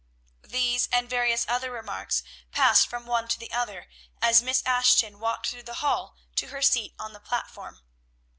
These, and various other remarks, passed from one to the other, as Miss Ashton walked through the hall to her seat on the platform.